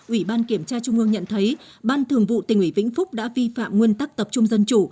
ủy ban kiểm tra trung ương nhận thấy ban thường vụ tỉnh ủy vĩnh phúc đã vi phạm nguyên tắc tập trung dân chủ